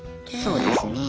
そうですね。